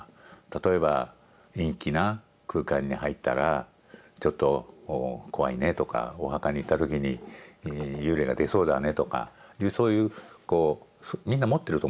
例えば陰気な空間に入ったらちょっと怖いねとかお墓に行った時に幽霊が出そうだねとかいうそういうこうみんな持ってると思うんです。